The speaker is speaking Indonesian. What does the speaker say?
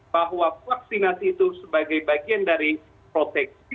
bahwa vaksinasi itu sebagai bagian dari proteksi